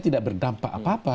tidak berdampak apa apa